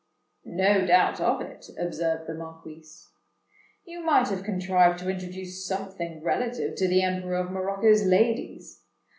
"No doubt of it," observed the Marquis. "You might have contrived to introduce something relative to the Emperor of Morocco's ladies.